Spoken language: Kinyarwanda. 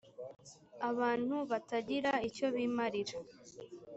abantu batagira icyo bimarira